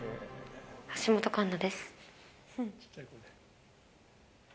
橋本環奈です。